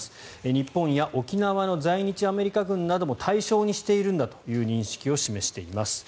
日本や沖縄の在日アメリカ軍なども対象にしているんだという認識を示しています。